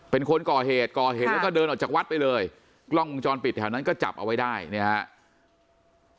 เป็นคนก่อเหตุก่อเหตุแล้วก็เดินออกจากวัดไปเลยกล้องวงจรปิดแถวนั้นก็จับเอาไว้ได้เนี่ยครับ